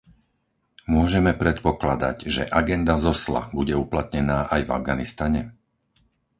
Môžeme predpokladať, že agenda z Osla bude uplatnená aj v Afganistane?